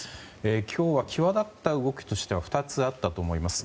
今日は際立った動きとしては２つあったと思います。